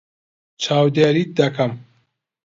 چاودێریت دەکەم.